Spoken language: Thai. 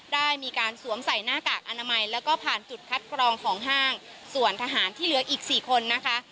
ได้มีการสวมใส่หน้ากากอนามัยแล้วก็ผ่านจุดคัดกรองของห้างส่วนทหารที่เหลืออีกสี่คนนะคะ